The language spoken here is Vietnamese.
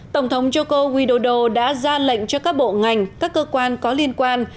tổng thống joko widodo đã ra lệnh cho các bộ ngành các cơ quan có liên quan